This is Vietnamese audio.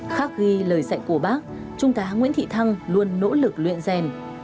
khắc ghi lời dạy của bác trung tá nguyễn thị thăng luôn nỗ lực luyện rèn